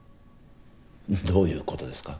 どういう事ですか？